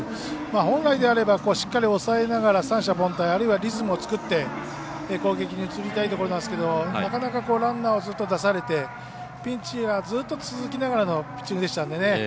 本来であればしっかり抑えながら三者凡退あるいはリズムを作って攻撃に移りたいところなんですけどなかなかランナーをずっと出されてピンチがずっと続きながらのピッチングでしたんでね。